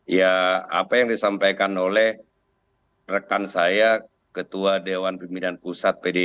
ya apa yang disampaikan oleh rekan saya ketua dewan pimpinan pusat pdip